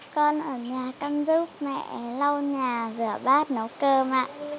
con ở nhà con giúp mẹ lau nhà rửa bát nấu cơm ạ